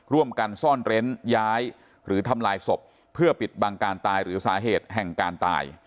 ร่วมกันซ่อนเร้นย้ายหรือทำลายศพเพื่อปิดบังการตายหรือสาเหตุแห่งการตาย